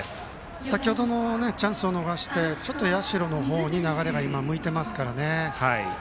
先ほどのチャンスを逃してちょっと社の方に流れが今向いていますからね。